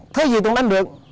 thứ gì tôi đánh được